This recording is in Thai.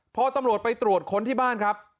พอตำรวจไปตรวจค้นที่บ้านครับ